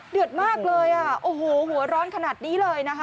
เดือดมากโอ้โฮโหหัวร้อนขนาดนี้เลยนะครับโอ้โฮ